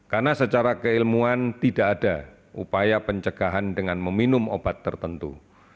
karena secara keilmuan tidak ada upaya pencegahan dengan meminum obat tertentu